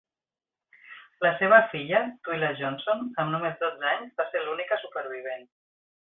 La seva filla, Twila Johnson, amb només dotze anys, va ser l'única supervivent.